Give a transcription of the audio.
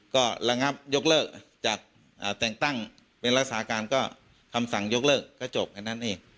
ก็ระงับยกเลิกจากแต่งตั้งเป็นรักษาการก็คำสั่งยกเลิกก็จบแค่นั้นเอง